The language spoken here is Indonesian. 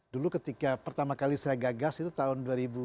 dulu ketika pertama kali saya gagas itu tahun dua ribu dua